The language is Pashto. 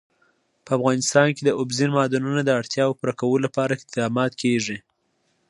په افغانستان کې د اوبزین معدنونه د اړتیاوو پوره کولو لپاره اقدامات کېږي.